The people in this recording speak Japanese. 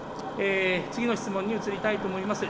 次の質問に移りたいと思います。